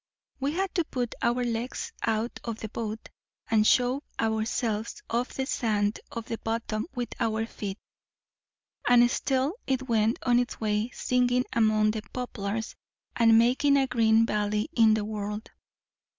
We had to put our legs out of the boat, and shove ourselves off the sand of the bottom with our feet. And still it went on its way singing among the poplars, and making a green valley in the world.